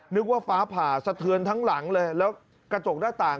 นึกว่าฟ้าผ่าสะเทือนทั้งหลังเลยแล้วกระจกหน้าต่าง